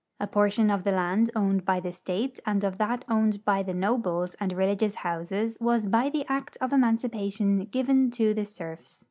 A portion of the land OAvned by the state and of that OAvned by the nobles and religious houses Avas by the act of emancipa tion given to the serfs.